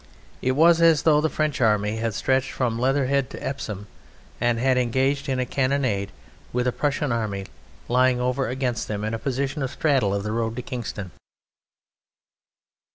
It was as though the French Army had stretched from Leatherhead to Epsom and had engaged in a cannonade with a Prussian Army lying over against them in a position astraddle of the road to Kingston.